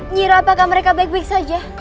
nyira apakah mereka baik baik saja